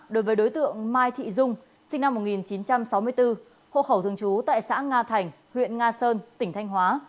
đối với đối tượng mai thị dung sinh năm một nghìn chín trăm sáu mươi bốn hộ khẩu thường trú tại xã nga thành huyện nga sơn tỉnh thanh hóa